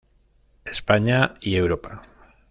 España y Europa.